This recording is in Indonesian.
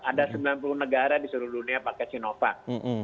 ada sembilan puluh negara di seluruh dunia pakai sinovac